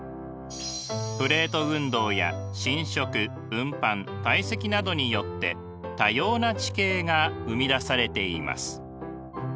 プレート運動や侵食運搬堆積などによって多様な地形が生み出されています。